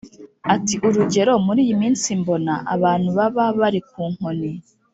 ati “urugero, muri iyi minsi mbona abantu baba bari ku nkoni.